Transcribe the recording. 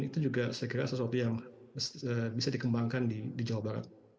itu juga saya kira sesuatu yang bisa dikembangkan di jawa barat